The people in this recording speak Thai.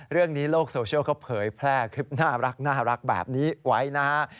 เรื่องนี้โลกโซเชียลเขาเผยแพร่คลิปน่ารักแบบนี้ไว้นะครับ